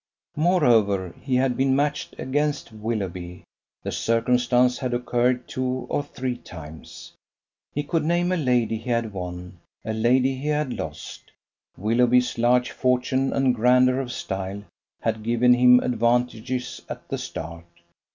Moreover, he had been matched against Willoughby: the circumstance had occurred two or three times. He could name a lady he had won, a lady he had lost. Willoughby's large fortune and grandeur of style had given him advantages at the start.